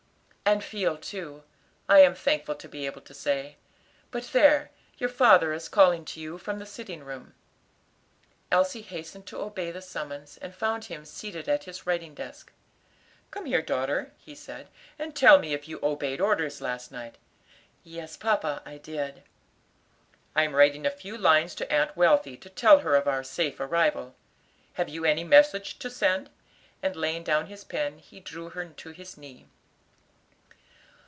"And feel too, I am thankful to be able to say. But there, your father is calling to you from the sitting room." Elsie hastened to obey the summons, and found him seated at his writing desk. "Come here, daughter," he said, "and tell me if you obeyed orders last night." "Yes, papa, I did." "I am writing a few lines to Aunt Wealthy, to tell her of our safe arrival. Have you any message to send?" and laying down his pen he drew her to his knee.